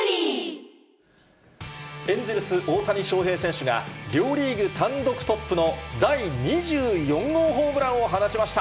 エンゼルス、大谷翔平選手が、両リーグ単独トップの第２４号ホームランを放ちました。